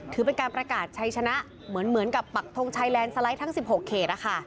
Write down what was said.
ถือเป็นการประกาศชัยชนะเหมือนกับปักทงชัยแลนด์สไลด์ทั้ง๑๖เขต